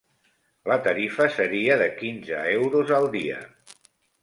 La tarifa seria de quinze euros al dia.